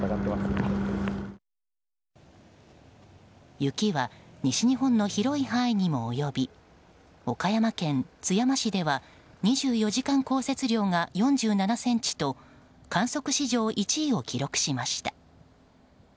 雪は西日本の広い範囲にも及び岡山県津山市では２４時間降雪量が４７ｃｍと観測史上１位を記録しました。